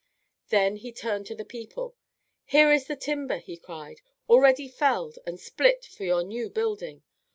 Then he turned to the people, "Here is the timber," he cried, "already felled and split for your new building.